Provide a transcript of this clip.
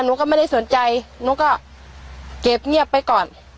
หนูก็ไม่ได้สนใจหนูก็เก็บเงียบไปก่อน